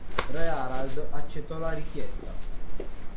Re Harald accettò la richiesta.